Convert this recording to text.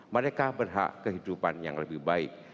mereka berhak kehidupan yang lebih baik